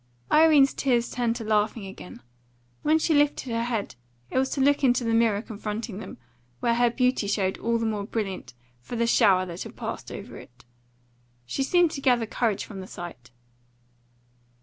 Irene's tears turned to laughing again. When she lifted her head it was to look into the mirror confronting them, where her beauty showed all the more brilliant for the shower that had passed over it. She seemed to gather courage from the sight.